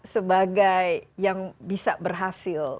sebagai yang bisa berhasil